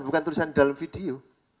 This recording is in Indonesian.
bukan tulisan dalam video